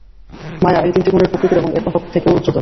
মায়া এই তিনটি গুণের প্রকৃতির এবং এর প্রভাবের থেকেও উচ্চতর।